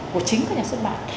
của chính các nhà xuất bản